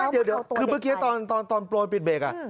เดี๋ยวคือเมื่อกี้ตอนโปรยปิดเบรก